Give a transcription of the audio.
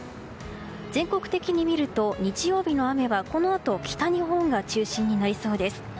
全国的に見ると日曜日の雨はこのあと北日本が中心になりそうです。